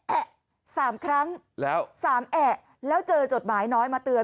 แอะ๓ครั้งแล้ว๓แอะแล้วเจอจดหมายน้อยมาเตือน